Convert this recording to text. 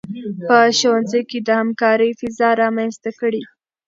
په ښوونځي کې د همکارۍ فضا رامنځته کړئ.